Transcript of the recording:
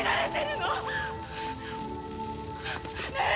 ねえ！